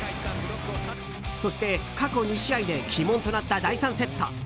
そして過去２試合で鬼門となった第３セット。